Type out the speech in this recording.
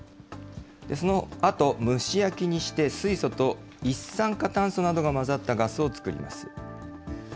そのあと蒸し焼きにして水素と一酸化炭素などが混ざったガスを作ります。